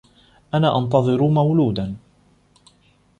أنا أنتظر مولودا.